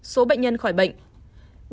một số bệnh nhân khỏi bệnh